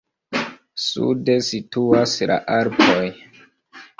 Sude situas la Alpoj.